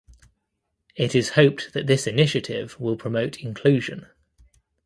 It is hoped that this initiative will promote inclusion.